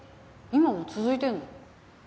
今も続いてんの？